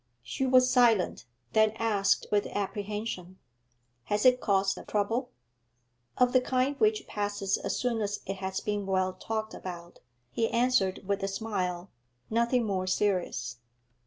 She was silent, then asked with apprehension, 'Has it caused trouble?' 'Of the kind which passes as soon as it has been well talked about,' he answered with a smile; 'nothing more serious.'